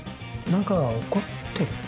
何か怒ってる？